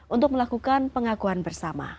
untuk melakukan pengakuan bersama